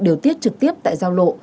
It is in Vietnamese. điều tiết trực tiếp tại giao lộ